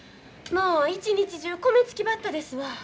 もう一日中米つきバッタですわ。